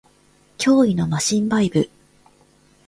脅威のマシンバイブ